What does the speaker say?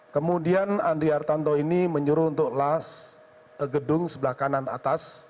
kemudian andri artanto ini menyuruh untuk las gedung sebelah kanan atas